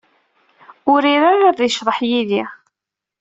Ur iri ara ad yecḍeḥ yid-i.